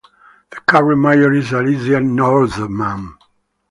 The current Mayor is Alicia Nordmann.